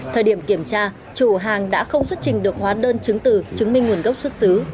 thời điểm kiểm tra chủ hàng đã không xuất trình được hóa đơn chứng từ chứng minh nguồn gốc xuất xứ